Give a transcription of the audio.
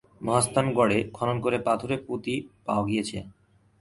মহাস্থান গড়এ খনন করে পাথুরে পুঁতি পাওয়া গিয়েছে।